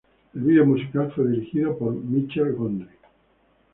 El video musical fue dirigido por Michel Gondry.